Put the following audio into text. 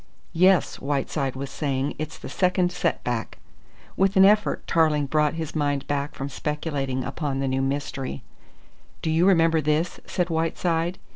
"Yes," Whiteside was saying, "it's the second setback." With an effort Tarling brought his mind back from speculating upon the new mystery. "Do you remember this?" said Whiteside.